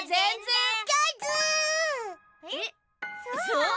そう？